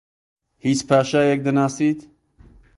هیچ پاشایەک دەناسیت؟